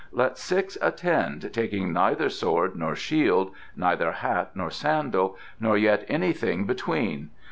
Let six attend taking neither sword nor shield, neither hat nor sandal, nor yet anything between.